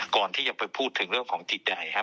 ก่อนที่จะไปพูดถึงเรื่องของจิตใจครับ